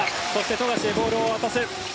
富樫へボールを渡す。